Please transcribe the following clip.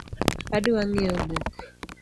Adwa ng’iewo buk